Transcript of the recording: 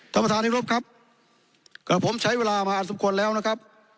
ท่านผู้หญิงรบครับก็ผมใช้เวลามาอันสมควรแล้วนะครับ